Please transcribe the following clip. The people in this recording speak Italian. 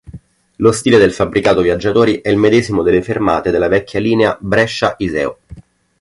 Lo stile del fabbricato viaggiatori è il medesimo delle fermate della vecchia linea Brescia-Iseo.